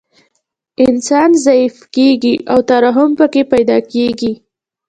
انسان ضعیف کیږي او ترحم پکې پیدا کیږي